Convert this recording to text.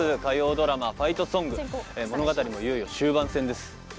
火曜ドラマ「ファイトソング」物語もいよいよ終盤戦です